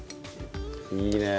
いいねえ。